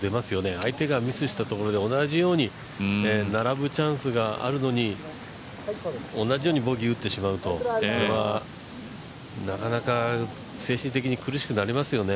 相手がミスしたところで並ぶチャンスがあるのに同じようにボギー打ってしまうと、なかなか精神的に苦しくなりますよね。